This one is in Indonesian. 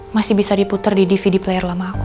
masih bisa diputar di dvd player lama aku